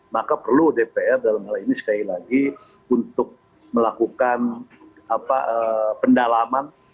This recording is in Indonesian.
maka perlu dpr dalam hal ini sekali lagi untuk melakukan pendalaman